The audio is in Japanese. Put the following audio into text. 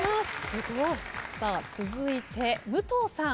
さあ続いて武藤さん。